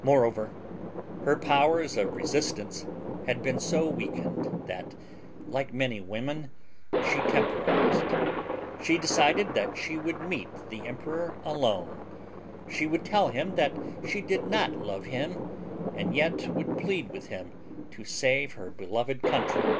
Moreover, her powers of resistance had been so weakened that, like many women, she temporized. She decided that she would meet the emperor alone. She would tell him that she did not love him, and yet would plead with him to save her beloved country.